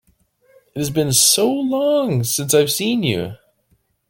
It has been so long since I have seen you!